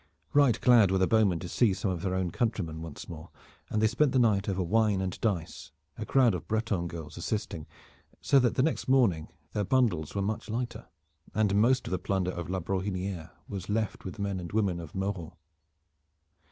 Right glad were the bowmen to see some of their own countrymen once more, and they spent the night over wine and dice, a crowd of Breton girls assisting, so that next morning their bundles were much lighter, and most of the plunder of La Brohiniere was left with the men and women of Mauron.